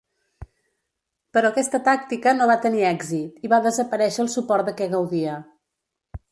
Però aquesta tàctica no va tenir èxit i va desaparèixer el suport de què gaudia.